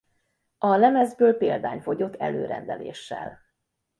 A lemezből példány fogyott előrendeléssel.